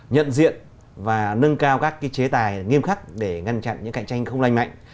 nhận diện và nâng cao các chế tài nghiêm khắc để ngăn chặn những cạnh tranh không lành mạnh